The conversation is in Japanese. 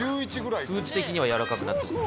数値的にはやわらかくなってます